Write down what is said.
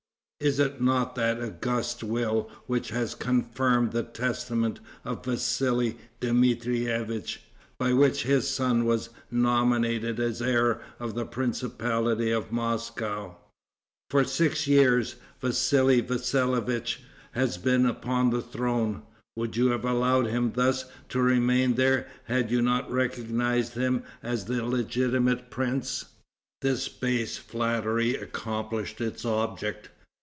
Is it not that august will which has confirmed the testament of Vassali Dmitrievitch, by which his son was nominated as heir of the principality of Moscow? For six years, Vassali Vassilievitch has been upon the throne. Would you have allowed him thus to remain there had you not recognized him as the legitimate prince?" This base flattery accomplished its object.